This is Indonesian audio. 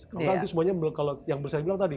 karena nanti semuanya yang bisa dibilang tadi